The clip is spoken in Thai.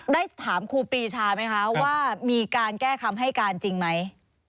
ได้ถามครูปรีชาไหมคะว่ามีการแก้คำให้การจริงไหม